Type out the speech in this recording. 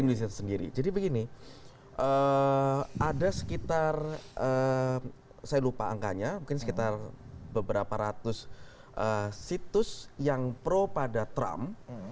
indonesia sendiri jadi begini ada sekitar saya lupa angkanya mungkin sekitar beberapa ratus situs yang pro pada trump